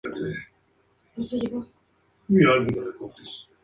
Sus restos fueron repatriados, incinerados y esparcidos en su campo.